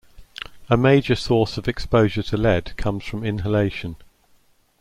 A major source of exposure to lead comes from inhalation.